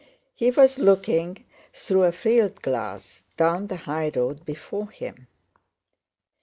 He was looking through a field glass down the highroad before him.